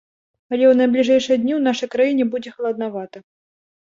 Але ў найбліжэйшыя дні ў нашай краіне будзе халаднавата.